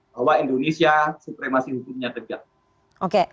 bahwa indonesia supremasi hukumnya tegak